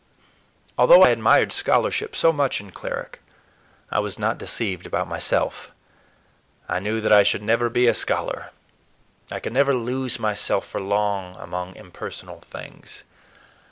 _" Although I admired scholarship so much in Cleric, I was not deceived about myself; I knew that I should never be a scholar. I could never lose myself for long among impersonal things.